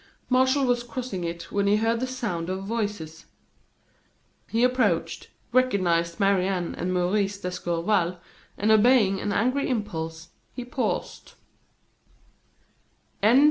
Martial was crossing it, when he heard the sound of voices. He approached, recognized Marie Anne and Maurice d'Escorval, and obeying an angry impulse, he paused.